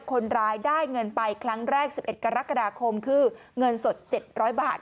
คนร้ายได้เงินไปครั้งแรก๑๑กรกฎาคมคือเงินสด๗๐๐บาท